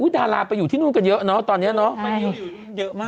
ดาราไปอยู่ที่นู่นกันเยอะเนอะตอนนี้เนาะ